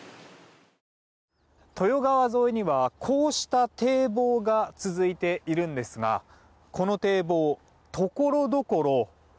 豊川沿いにはこうした堤防が続いていますがこの堤防、ところどころ